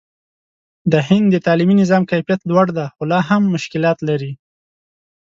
د هند د تعلیمي نظام کیفیت لوړ دی، خو لا هم مشکلات لري.